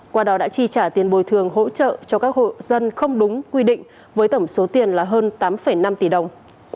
qua đó đã chi trả tiền bồi thường hỗ trợ cho các hộ dân không đúng quy định với tổng số tiền là hơn tám năm tỷ đồng